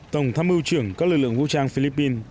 tổng tham mưu trưởng các lực lượng vũ trang philippines